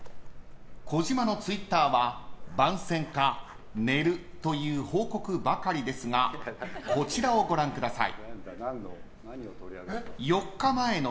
児嶋のツイッターは番宣か、寝るという報告ばかりですがこちらをご覧ください。